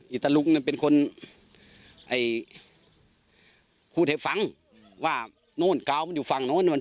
นี่ตะลุกเนี้ยเป็นคนไอ้พูดให้ฟังว่าโน้นกาวมันอยู่ฝั่งโน้น